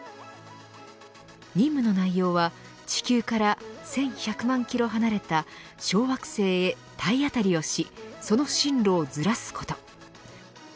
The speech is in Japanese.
任務の内容は、地球から１１００万キロ離れた小惑星へ体当たりをしその進路をずらすこと。